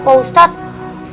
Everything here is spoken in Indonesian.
udah opa ustadz